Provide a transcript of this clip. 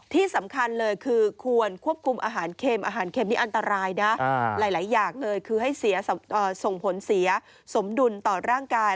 ที่สำคัญเลยคือควรควบคุมอาหารเค็มอาหารเค็มนี่อันตรายนะหลายอย่างเลยคือให้ส่งผลเสียสมดุลต่อร่างกาย